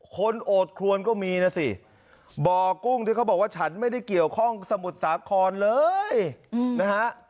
โอดครวนก็มีนะสิบ่อกุ้งที่เขาบอกว่าฉันไม่ได้เกี่ยวข้องสมุทรสาครเลยนะฮะ